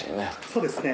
そうですね。